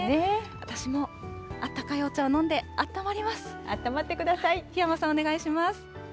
私もあったかいお茶を飲んであっあったまってください。